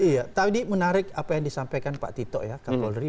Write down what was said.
iya tadi menarik apa yang disampaikan pak tito ya kapolri